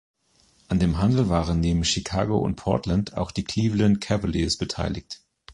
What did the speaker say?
An dem Handel waren neben Chicago und Portland auch die Cleveland Cavaliers beteiligt.